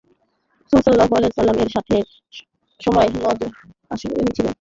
রাসূল সাল্লাল্লাহু আলাইহি ওয়াসাল্লাম-এর সাথে এ সময় নয়জন অশ্বারোহী ছিলেন।